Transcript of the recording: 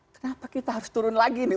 kenapa kita harus turun lagi nih